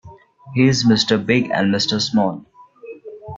He's Mr. Big and Mr. Small.